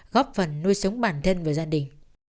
góp phần nuôi sống bản thân và gia đình